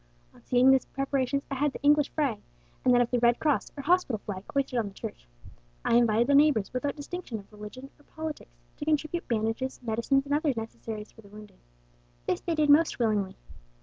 On seeing these preparations, I had the English flag, and that of the Red Cross or hospital flag, hoisted on the church. I invited the neighbours, without distinction of religion or politics, to contribute bandages, medicines, and other necessaries for the wounded. This they did most willingly.